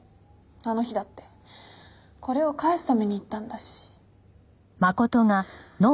あの日だってこれを返すために行ったんだし。